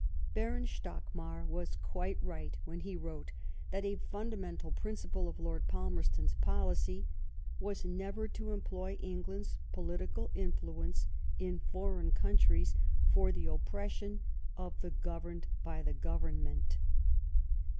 Saron Stockmar was quite right when he wrote that a fundamental principle of Lord Palmerston's policy was never to employ England's political influ ence in foreign countries for the oppression of the governed by the Government.